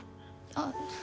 あっ。